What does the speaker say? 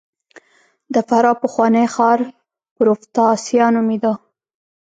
د فراه پخوانی ښار پروفتاسیا نومېده